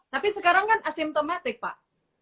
tapi sekarang kan asimptomatik pak